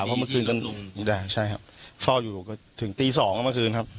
เพราะเมื่อคืนก็ใช่ครับเฝ้าอยู่ถึงตีสองแล้วเมื่อคืนครับ